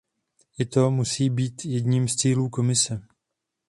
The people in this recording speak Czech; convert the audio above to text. I to musí být jedním z cílů Komise.